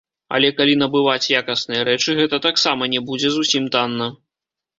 Але калі набываць якасныя рэчы, гэта таксама не будзе зусім танна.